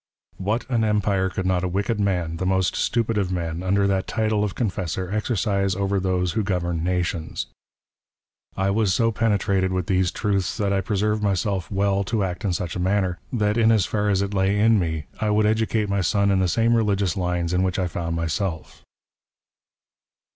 '' What an empire could not a wicked man, the most stupid " of men, under that title of confessor, exercise over those " who govern nations ?" I was so penetrated with these truths that I preserved '' myself well to act in such a manner, that, in as far as it lay in " me, I would educate my son in the same religious lines in which '' I found myself."